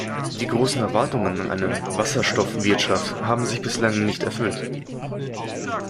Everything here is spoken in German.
Die großen Erwartungen an eine "Wasserstoffwirtschaft" haben sich bislang nicht erfüllt.